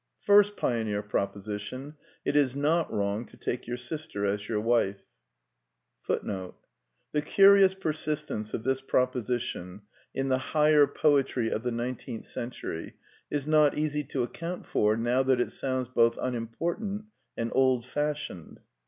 First Pioneer Proposition : It is not wrong to take your sister as your wife.^ ^ The curious persistence of this proposition in the higher poetry of the nineteenth century is not easy to account for now that it sounds both unimportant and old fashioned.